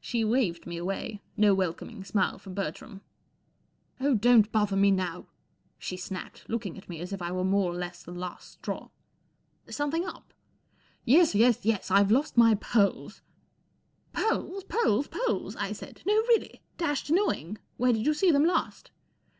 She waved me away. No welcoming smile for Bertram. 44 Oh, don't bother me now," she snapped, looking at me as if I were more or less the last straw. 44 Something up ?" 44 Yes, yes, yes ! I've lost my pearls." 44 Pearls ? Pearls ? Pearls ?" I said. 44 No, really ? Dashed annoying. Where did you see them last